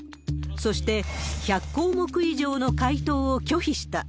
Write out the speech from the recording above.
そして、１００項目以上の回答を拒否した。